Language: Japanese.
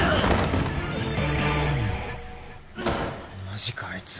マジかあいつ。